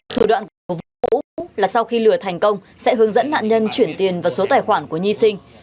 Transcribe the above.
thủ đoạn của vũ là sau khi lừa thành công sẽ hướng dẫn nạn nhân chuyển tiền vào số tài khoản của nhi sinh